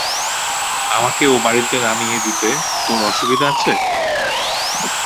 আমাকে ও-বাড়িতে নামিয়ে দিতে তোর অসুবিধা আছে?